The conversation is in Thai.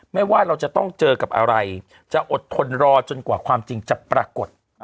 ไม่ว่าเราจะต้องเจอกับอะไรจะอดทนรอจนกว่าความจริงจะปรากฏ